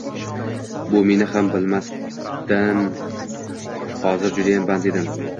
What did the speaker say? Buni men ham bilmasdim. Hozir judayam band edim.